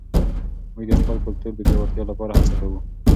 موږ د خپل کلتور د پیاوړتیا لپاره هڅه کوو.